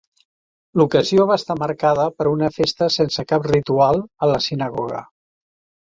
L'ocasió va estar marcada per una festa sense cap ritual a la sinagoga.